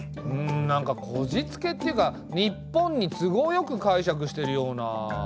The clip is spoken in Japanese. うんなんかこじつけっていうか日本に都合よく解釈してるような。